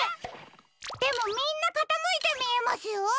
でもみんなかたむいてみえますよ。